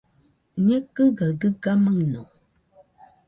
Ñekɨgaɨ dɨga maɨno